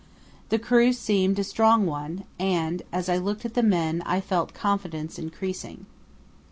The crew seemed a strong one, and as I looked at the men I felt confidence increasing.